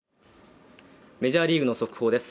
メジャーリーグの速報です。